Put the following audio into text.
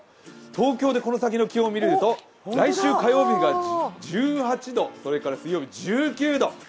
東京でこの先の気温を見てみると来週火曜日が１８度、水曜日は１９度。